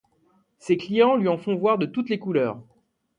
Ses clients lui en font voir de toutes les couleurs.